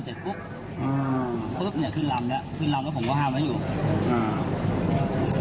เสร็จปุ๊บอืมปุ๊บเนี้ยขึ้นลำแล้วขึ้นลำแล้วผมก็ห้ามไว้อยู่อ่า